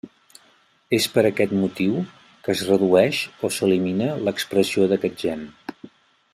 És per aquest motiu, que es redueix o s'elimina l'expressió d'aquest gen.